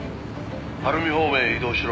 晴海方面へ移動しろ」